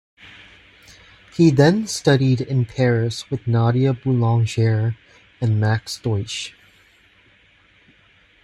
He then studied in Paris with Nadia Boulanger and Max Deutsch.